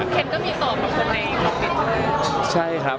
เข็มก็มีสอบของคนใดอีกครับ